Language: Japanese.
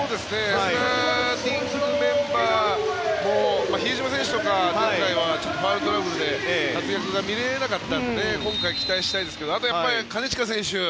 スターティングメンバーも比江島選手とか前回はファウルトラブルで活躍が見られなかったので今回、期待したいですけどあと金近選手